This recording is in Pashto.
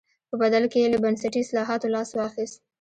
په بدل کې یې له بنسټي اصلاحاتو لاس واخیست.